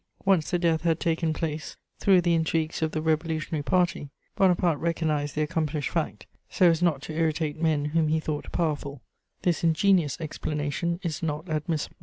Once the death had taken place through the intrigues of the revolutionary party, Bonaparte recognised the accomplished fact, so as not to irritate men whom he thought powerful: this ingenious explanation is not admissible.